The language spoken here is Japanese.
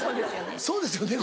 そうですよね。